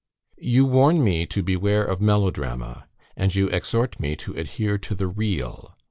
"You warn me to beware of melodrama, and you exhort me to adhere to the real.